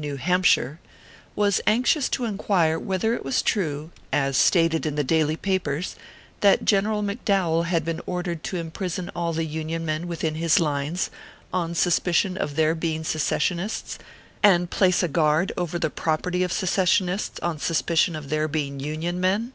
New Hampshire) was anxious to inquire whether it was true, as stated in the daily papers, that General McDowell had been ordered to imprison all the Union men within his lines on sus picion of their being Secessionists, and place a guard over the property of the Secessionists, on suspicion of their being Union men